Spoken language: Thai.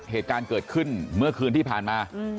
เหตุการณ์เกิดขึ้นเมื่อคืนที่ผ่านมา